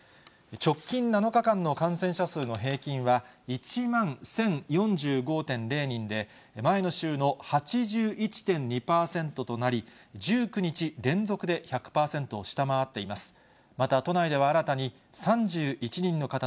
直近７日間の感染者数の平均は、１万１０４５．０人で、前の週の８１．２％となり、１９日連続で１００％を下回っています。